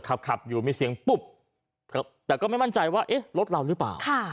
ขับขับอยู่มีเสียงปุ๊บแต่ก็ไม่มั่นใจว่าเอ๊ะรถเราหรือเปล่า